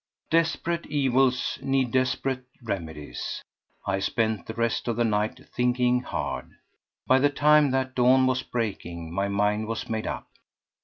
4. Desperate evils need desperate remedies. I spent the rest of the night thinking hard. By the time that dawn was breaking my mind was made up.